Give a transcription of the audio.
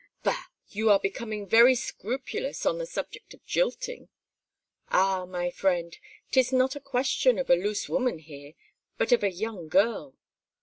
"Bah! you are becoming very scrupulous on the subject of jilting." "Ah, my friend, 'tis not a question of a loose woman here, but of a young girl."